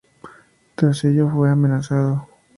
Tras ello fue amenazado.